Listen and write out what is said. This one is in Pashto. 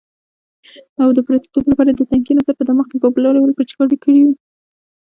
او د پردیتوب لپاره یې د تنکي نسل په دماغ کې بابولالې ورپېچکاري کوو.